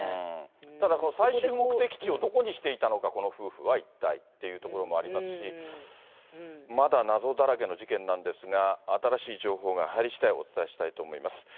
ただ、最終目的地をどこにしていたのか、この夫婦は一体っていうところもありますし、まだ謎だらけの事件なんですが、新しい情報が入りしだいお伝えしたいと思います。